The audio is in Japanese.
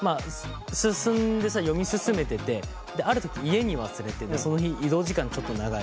進んでさ読み進めててある時家に忘れてその日移動時間ちょっと長い。